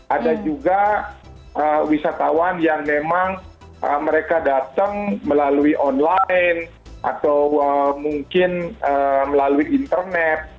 ada juga wisatawan yang memang mereka datang melalui online atau mungkin melalui internet